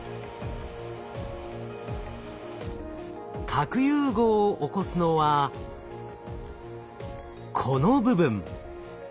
核融合を起こすのはこの部分。